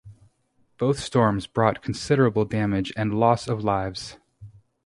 Both storms brought considerable damage and loss of lives.